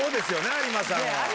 有馬さんは。